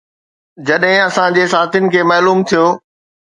جڏهن اسان جي ساٿين کي معلوم ٿيو